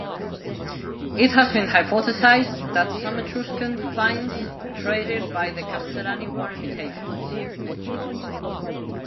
It has been hypothesized that some Etruscan finds traded by the Castellani were imitations.